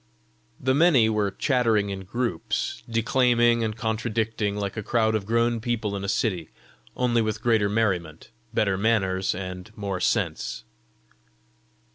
The many were chattering in groups, declaiming and contradicting, like a crowd of grown people in a city, only with greater merriment, better manners, and more sense.